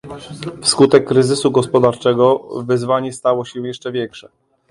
Wskutek kryzysu gospodarczego wyzwanie stało się jeszcze większe